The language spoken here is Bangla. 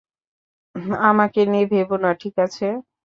আমাকে নিয়ে ভেবো না, ঠিক আছে?